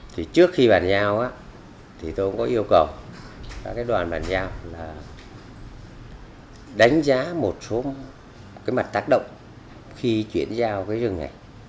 thì trước khi bàn giao thì tôi có yêu cầu đoàn bàn giao đánh giá một số mặt tác động khi chuyển giao rừng này